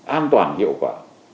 an toàn hiệu quả